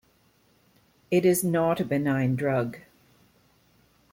It is not a benign drug.